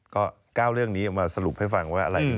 ก็๙เรื่องนี้มาสรุปให้ฟังว่าอะไร